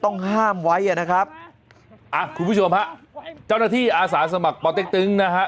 ต้องห้ามไว้อ่ะนะครับอ่ะคุณผู้ชมฮะเจ้าหน้าที่อาสาสมัครปอเต็กตึงนะฮะ